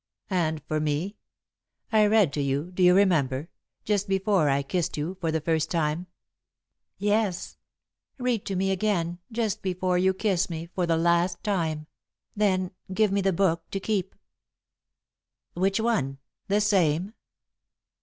"And for me. I read to you, do you remember, just before I kissed you for the first time?" "Yes. Read to me again just before you kiss me for the last time, then give me the book to keep." "Which one? The same?"